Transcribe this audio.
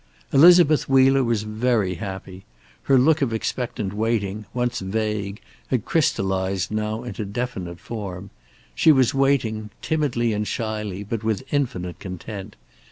Elizabeth Wheeler was very happy. Her look of expectant waiting, once vague, had crystallized now into definite form. She was waiting, timidly and shyly but with infinite content.